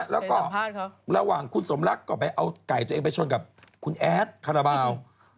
แล้วก็ระหว่างคุณสมรักก็ไปเอาไก่ตัวเองไปชนกับคุณแอดคาราบาล